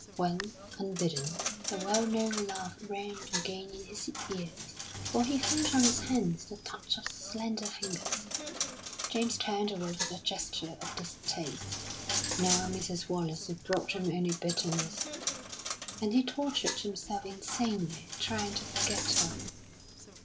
When, unbidden, the well known laugh rang again in his ears, or he felt on his hands the touch of the slender fingers, James turned away with a gesture of distaste. Now Mrs. Wallace brought him only bitterness, and he tortured himself insanely trying to forget her....